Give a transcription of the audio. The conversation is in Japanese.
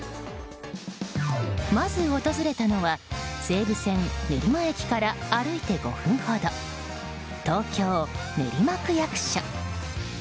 まず訪れたのは西武線練馬駅から歩いて５分ほど東京・練馬区役所。